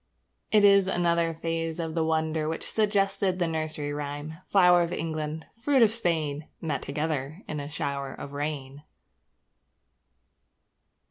It is another phase of the wonder which suggested the nursery rhyme: Flour of England, fruit of Spain, Met together in a shower of rain.